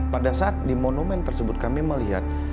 pada saat di monumen tersebut kami melihat